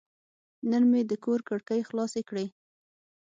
نن مې د کور کړکۍ خلاصې کړې.